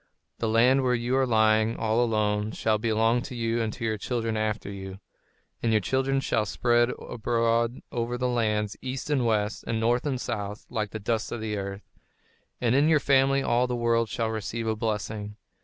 The land where you are lying all alone, shall belong to you and to your children after you; and your children shall spread abroad over the lands, east and west, and north and south, like the dust of the earth; and in your family all the world shall receive a blessing.